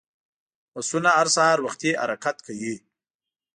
بسونه هر سهار وختي حرکت کوي.